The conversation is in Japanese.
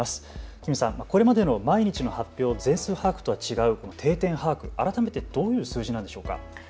金さん、これまでの毎日の発表、全数把握とは違う定点把握、改めてどういう数字なんでしょうか。